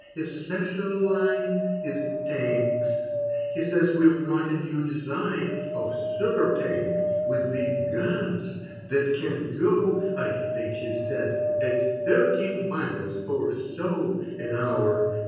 His special line Is Tanks. He says we've got a new design Of super Tank, with big guns, that can go (I think he said) at thirty miles or so An hour.